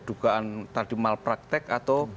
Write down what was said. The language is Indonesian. dugaan tadi malpraktek atau